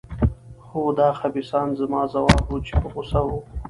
هو، دا خبیثان. زما ځواب و، چې په غوسه وو.